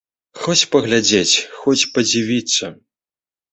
Хоць паглядзець, хоць падзівіцца.